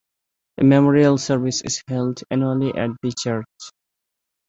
A memorial service is held annually at the church.